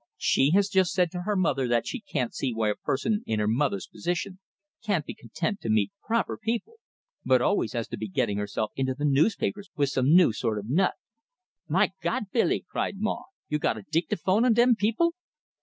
She has just said to her mother that she can't see why a person in her mother's position can't be content to meet proper people, but always has to be getting herself into the newspapers with some new sort of nut." "My Gawd, Billy!" cried Maw. "You got a dictaphone on dem people?"